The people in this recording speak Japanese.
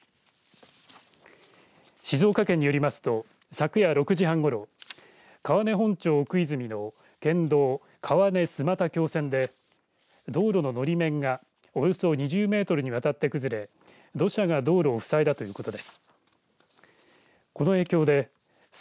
静岡県によりますと昨夜６時半ごろ川根本町奥泉の県道川根寸又峡線で道路ののり面がおよそ２０メートルにわたって崩れ土砂が道路をふさいだということです。